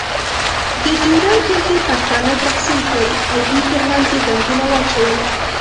د ډیورنډ کرښې پښتانه تقسیم کړل. او دوی ترمنځ یې بندونه واچول.